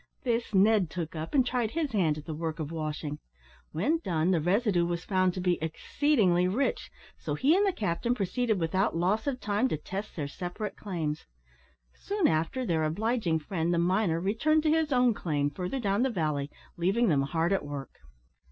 This Ned took up, and tried his hand at the work of washing. When done, the residue was found to be exceedingly rich, so he and the captain proceeded without loss of time to test their separate claims. Soon after, their obliging friend, the miner, returned to his own claim further down the valley, leaving them hard at work.